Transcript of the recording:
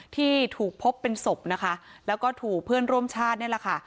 ที่ถูกพบเป็นศพนะคะแล้วก็ถูกเพื่อนร่วมชาตินี่แหละค่ะ